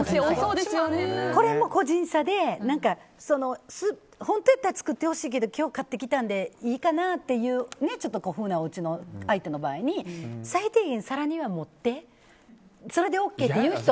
これも個人差で本当やったら作ってほしいけど今日買ってきたからいいかなっていう古風なおうちの場合は最低限皿には盛ってという人。